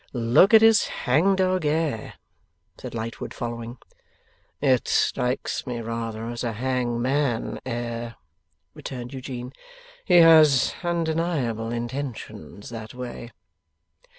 'Look at his hang dog air,' said Lightwood, following. 'It strikes me rather as a hang MAN air,' returned Eugene. 'He has undeniable intentions that way.